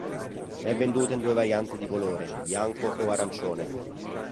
È venduta in due varianti di colore: bianco o arancione.